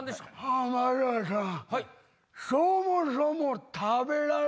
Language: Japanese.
浜田さん。